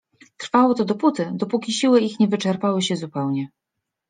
Trwało to dopóty, dopóki siły ich nie wyczerpały się zupełnie.